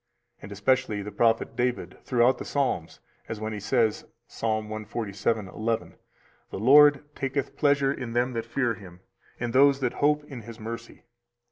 And especially the prophet David throughout the Psalms, as when he says [ Ps. 147:11 ]: The Lord taketh pleasure in them that fear Him, in those that hope in His mercy.